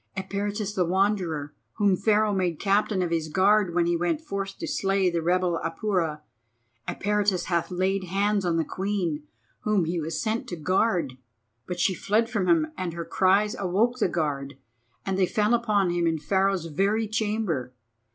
"Eperitus the Wanderer, whom Pharaoh made Captain of his Guard when he went forth to slay the rebel Apura—Eperitus hath laid hands on the Queen whom he was set to guard. But she fled from him, and her cries awoke the guard, and they fell upon him in Pharaoh's very chamber.